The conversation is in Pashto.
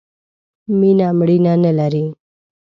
مینه مړینه نه لرئ